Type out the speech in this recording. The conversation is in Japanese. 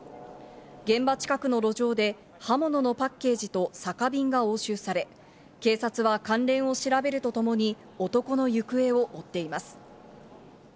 現場近くの路上で刃物のパッケージと酒瓶が押収され、警察は関連を調べるとともに男の行方を追っています。